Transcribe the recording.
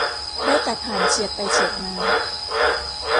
ได้แต่ผ่านเฉียดไปเฉียดมา